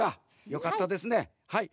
よかったですねはい。